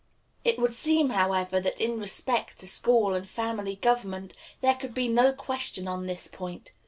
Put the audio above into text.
It would seem, however, that in respect to school and family government there could be no question on this point.